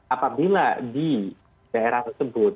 apabila di daerah tersebut